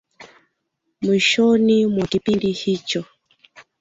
mwishoni mwa kipindi hicho